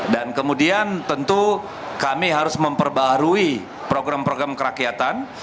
dan kemudian tentu kami harus memperbarui program program kerakyatan